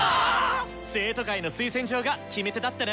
生徒会の推薦状が決め手だったな。